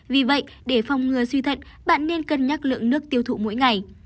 vì vậy để phòng ngừa suy thận bạn nên cân nhắc lượng nước tiêu thụ mỗi ngày